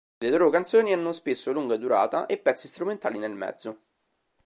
Le loro canzoni hanno spesso lunga durata e pezzi strumentali nel mezzo.